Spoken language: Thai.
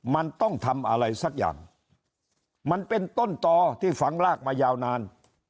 มันต้องทำอะไรสักอย่างมันเป็นต้นต่อที่ฝังลากมายาวนาน